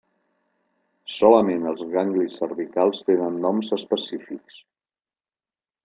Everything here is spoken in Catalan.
Solament els ganglis cervicals tenen noms específics.